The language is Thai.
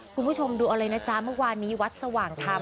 คุณผู้ชมดูอะไรนะจ๊ะเมื่อวานนี้วัดสว่างทำ